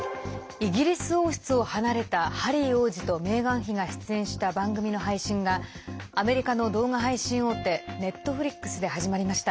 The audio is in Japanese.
イギリス王室を離れたハリー王子とメーガン妃が出演した番組の配信がアメリカの動画配信大手Ｎｅｔｆｌｉｘで始まりました。